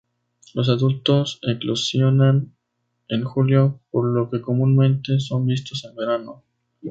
Los adultos eclosionan en julio, por lo que comúnmente son vistos en verano.